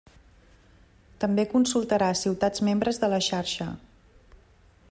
També consultarà ciutats membres de la Xarxa.